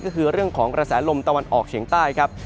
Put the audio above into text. ก็คือเรื่องของกระแสลมตะวันออกเฉียงใต้ครับ